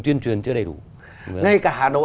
tuyên truyền chưa đầy đủ ngay cả hà nội